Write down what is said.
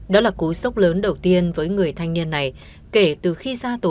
đó là cú sốc lớn đầu tiên với người thanh niên này kể từ khi ra tổ